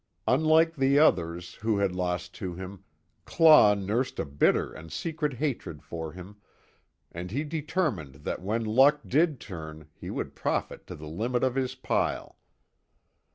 Unlike the others who had lost to him, Claw nursed a bitter and secret hatred for him, and he determined that when luck did turn he would profit to the limit of his pile.